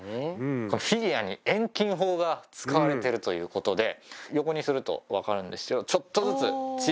フィギュアに遠近法が使われてるということで横にすると分かるんですよ。